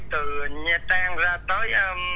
từ nha trang ra tới